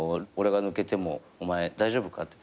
俺が抜けてもお前大丈夫か？